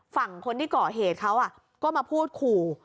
ฝั่งคนที่ก่อเหตุเขาก็มาพูดขู่